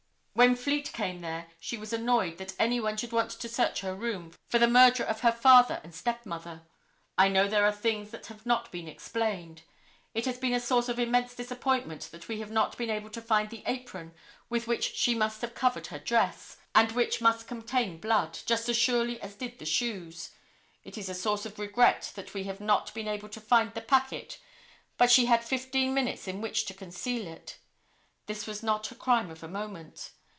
When Fleet came there she was annoyed that any one should want to search her room for the murderer of her father and step mother. I know there are things that have not been explained. It has been a source of immense disappointment that we have not been able to find the apron with which she must have covered her dress, and which must contain blood, just as surely as did the shoes. It is a source of regret that we have not been able to find the packet, but she had fifteen minutes in which to conceal it. This was not a crime of a moment.